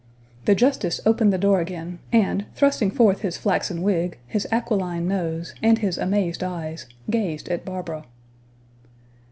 The justice opened the door again, and thrusting forth his flaxen wig, his aquiline nose, and his amazed eyes, gazed at Barbara.